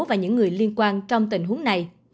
và những người liên quan trong tình huống này